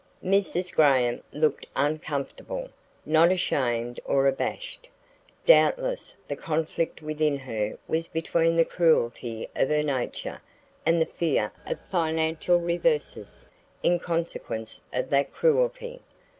Mrs. Graham looked uncomfortable not ashamed or abashed. Doubtless the conflict within her was between the cruelty of her nature and the fear of financial reverses in consequence of that cruelty.